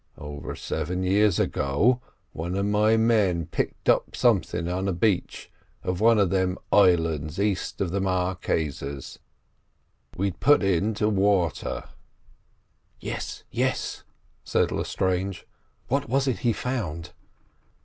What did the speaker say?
Over seven years ago one of my men picked up something on a beach of one of them islands east of the Marquesas—we'd put in to water——" "Yes, yes," said Lestrange. "What was it he found?"